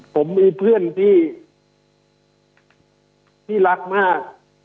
ผมมีเพื่อนที่รักมาก